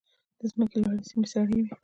د ځمکې لوړې سیمې سړې وي.